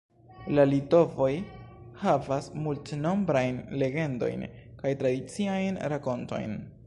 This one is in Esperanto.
La litovoj havas multnombrajn legendojn kaj tradiciajn rakontojn.